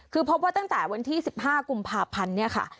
คือพบว่าตั้งแต่วันที่๑๕กุมภาพันธ์เนี่ยค่ะ